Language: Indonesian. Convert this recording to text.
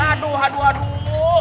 aduh aduh aduh